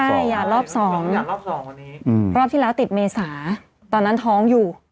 ใช่หยาดรอบ๒รอบที่แล้วติดเมษาตอนนั้นท้องอยู่